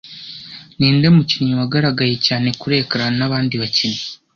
Ninde mukinnyi wagaragaye cyane kuri ecran nabandi bakinnyi